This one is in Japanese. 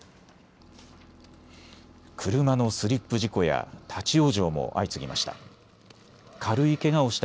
車のスリップ事故や立往生も相次ぎました。